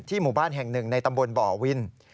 หมู่บ้านแห่งหนึ่งในตำบลบ่อวิน